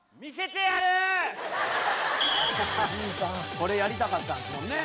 「これやりたかったんですもんね？」